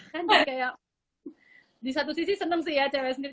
kan juga ya di satu sisi seneng sih ya cewek sendiri